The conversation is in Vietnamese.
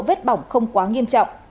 mức độ vết bỏng không quá nghiêm trọng